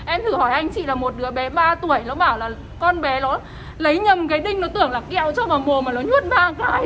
em thử hỏi anh chị là một đứa bé ba tuổi nó bảo là con bé nó lấy nhầm cái đinh nó tưởng là kẹo cho vào mùa mà nó nhuất ba cái